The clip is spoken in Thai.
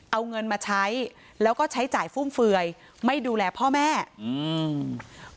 เอาเงินมาใช้แล้วก็ใช้จ่ายฟุ่มเฟือยไม่ดูแลพ่อแม่อืม